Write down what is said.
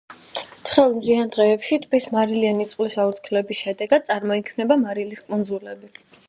ცხელ, მზიან დღეებში ტბის მარილიანი წყლის აორთქლების შედეგად წარმოიქმნება მარილის კუნძულები.